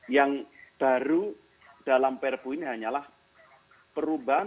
yang baru dalam perpu ini hanyalah perubahan